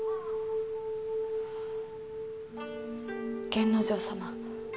源之丞様。